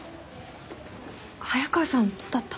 早川さんどうだった？